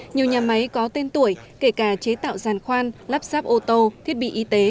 nhiều nhà máy có tên tuổi kể cả chế tạo giàn khoan lắp sáp ô tô thiết bị y tế